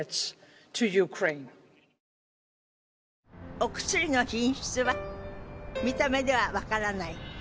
お薬の品質は見た目では分からない。